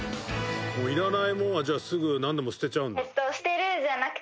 いらないものはじゃあすぐなんでも捨てちゃうの？